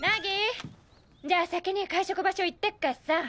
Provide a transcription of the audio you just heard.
じゃあ先に会食場所行ってっからさ。